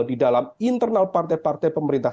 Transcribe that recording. di dalam internal partai partai pemerintah